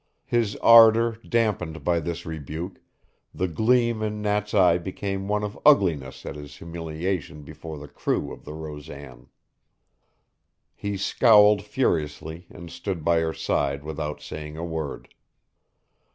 His ardor dampened by this rebuke, the gleam in Nat's eye became one of ugliness at his humiliation before the crew of the Rosan. He scowled furiously and stood by her side without saying a word.